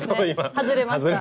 外れました。